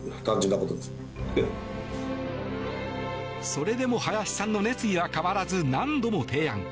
それでも林さんの熱意は変わらず何度も提案。